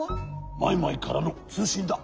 マイマイからのつうしんだ。